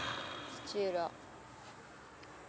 土浦。